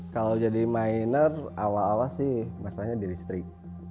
kalau jadi miner awal awal sih masalahnya di listrik